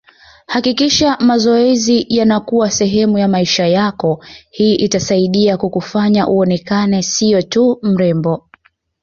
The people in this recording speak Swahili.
Hakikisha mazoezi yanakuwa sehemu ya maisha yako hii itasaidia kukufanya uonekane siyo tu mrembo